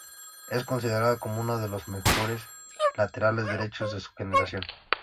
Es considerado como uno de los mejores laterales derechos de su generación.